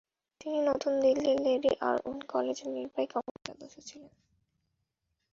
তিনি নতুন দিল্লির লেডি আরউইন কলেজের নির্বাহী কমিটির সদস্য ছিলেন।